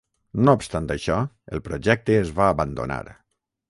No obstant això, el projecte es va abandonar.